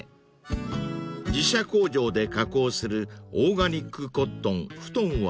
［自社工場で加工するオーガニックコットン布団綿は］